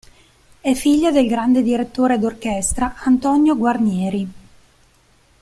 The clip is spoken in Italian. È figlia del grande direttore d'orchestra Antonio Guarnieri.